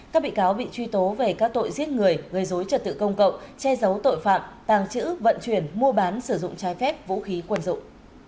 các bị cáo bị truy tố về các tội giết người gây dối trật tự công cộng che giấu tội phạm tàng trữ vận chuyển mua bán sử dụng trái phép vũ khí quân dụng